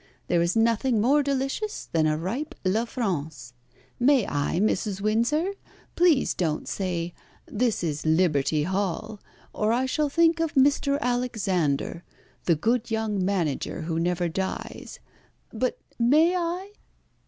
There is nothing more delicious than a ripe La France. May I, Mrs. Windsor? Please don't say 'this is liberty hall,' or I shall think of Mr. Alexander, the good young manager who never dies but may I?"